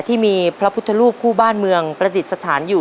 ที่มีพระพุทธรูปคู่บ้านเมืองประดิษฐานอยู่